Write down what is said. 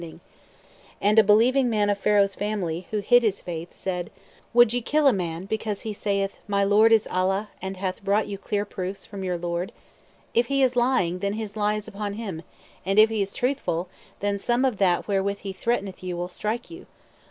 P: And a believing man of Pharaoh's family, who hid his faith, said: Would ye kill a man because he saith: My Lord is Allah, and hath brought you clear proofs from your Lord? If he is lying, then his lie is upon him; and if he is truthful, then some of that wherewith he threateneth you will strike you.